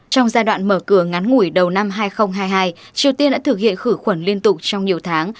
trong giai đoạn mở cửa ngắn ngủi đầu năm hai nghìn hai mươi hai triều tiên đã thực hiện khử khuẩn liên tục trong nhiều tháng